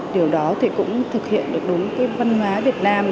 điều đó thì cũng thực hiện được đúng cái văn hóa việt nam